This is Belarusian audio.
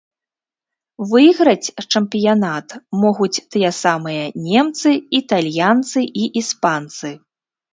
Выйграць чэмпіянат могуць тыя самыя немцы, італьянцы і іспанцы.